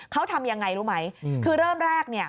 เขาทำยังไงรู้ไหมคือเริ่มแรกเนี่ย